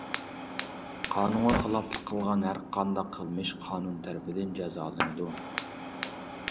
قانۇنغا خىلاپلىق قىلغان ھەر قانداق قىلمىش قانۇن تەرىپىدىن جازالىنىدۇ.